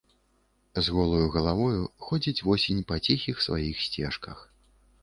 З голаю галавою ходзіць восень па ціхіх сваіх сцежках.